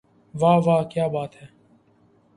واہ واہ کیا بات ہے